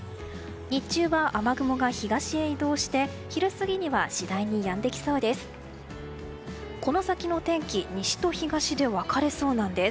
日中は雨雲が東へ移動して昼過ぎには次第にやんできそうです。